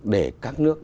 để các nước